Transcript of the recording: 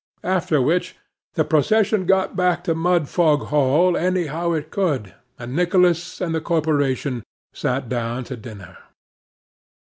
After which, the procession got back to Mudfog Hall any how it could; and Nicholas and the corporation sat down to dinner.